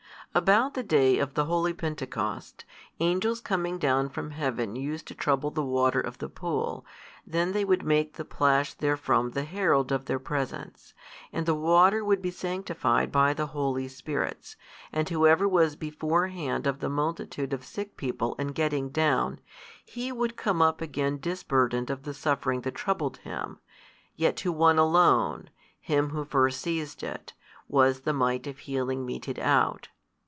About the day of the holy Pentecost, Angels coming down from heaven used to trouble the water of the pool, then they would make the plash therefrom the herald of their presence. And the water would be sanctified by |238 the holy spirits, and whoever was beforehand of the multitude of sick people in getting down, he would come up again disburdened of the suffering that troubled him,, yet to one alone, him who first seized it, was the might of healing meted out.